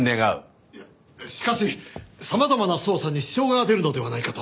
しかし様々な捜査に支障が出るのではないかと。